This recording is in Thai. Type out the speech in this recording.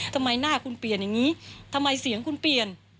ทำไมหน้าคุณเปลี่ยนอย่างนี้ทำไมเสียงคุณเปลี่ยน